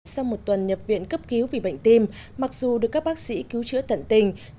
sau một tuần nhập viện cấp cứu vì bệnh tim mặc dù được các bác sĩ cứu chữa tận tình